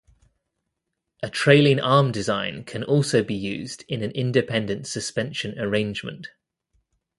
A trailing arm design can also be used in an independent suspension arrangement.